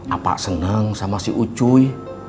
apa senang sama si ucuy